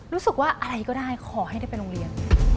รู้สึกว่าอะไรก็ได้ขอให้ได้ไปโรงเรียน